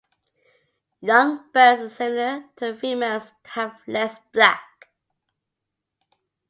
Young birds are similar to females but have less black.